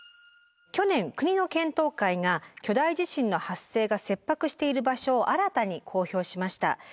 去年国の検討会が巨大地震の発生が切迫している場所を新たに公表しました。